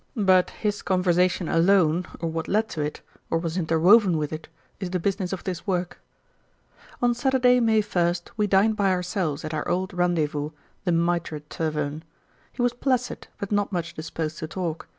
But his conversation alone, or what led to it, or was interwoven with it, is the business of this work. On Saturday, May 1, we dined by ourselves at our old rendezvous, the Mitre tavern. He was placid, but not much disposed to talk.